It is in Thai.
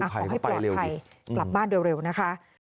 ขอให้ปลอดภัยกลับบ้านเร็วนะคะ